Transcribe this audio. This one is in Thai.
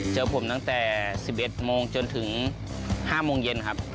เจอผมตั้งแต่๑๑โมงจนถึง๕โมงเย็นครับ